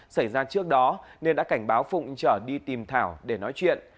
xảy ra trước đó nên đã cảnh báo phụng trở đi tìm thảo để nói chuyện